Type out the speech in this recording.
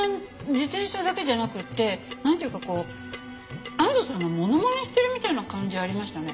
自転車だけじゃなくってなんていうかこう安藤さんのものまねしてるみたいな感じありましたね。